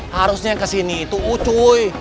harusnya kesini itu u cuy